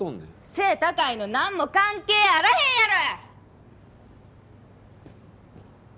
背高いのなんも関係あらへんやろ！